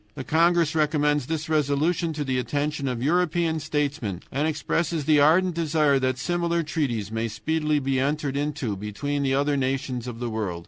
The congress recommends this resolution to the attention of European statesmen, and expresses the ardent desire that similar treaties may speedily be entered into between the other nations of the world.